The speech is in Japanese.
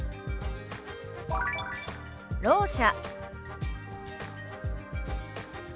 「ろう者」。